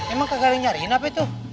emang kagak ada yang nyariin apa itu